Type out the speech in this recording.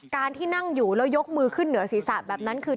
ที่นั่งอยู่แล้วยกมือขึ้นเหนือศีรษะแบบนั้นคือ